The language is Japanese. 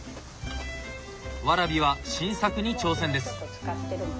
ワラビは新作に挑戦です。